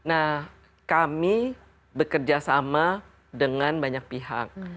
nah kami bekerja sama dengan banyak pihak